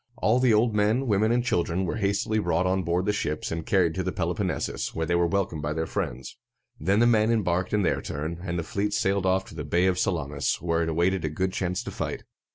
All the old men, women, and children were hastily brought on board the ships, and carried to the Peloponnesus, where they were welcomed by their friends. Then the men embarked in their turn, and the fleet sailed off to the Bay of Sal´a mis, where it awaited a good chance to fight.